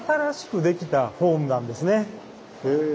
へえ。